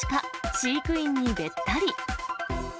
飼育員にべったり。